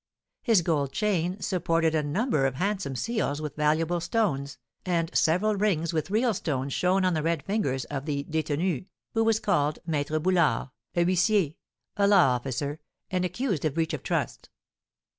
His gold chain supported a number of handsome seals with valuable stones, and several rings with real stones shone on the red fingers of the détenu, who was called Maître Boulard, a huissier (a law officer), and accused of breach of trust.